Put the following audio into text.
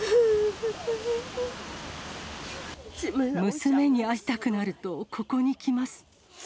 娘に会いたくなると、ここに来ます。